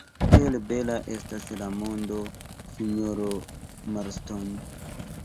Kiel bela estas la mondo, sinjoro Marston!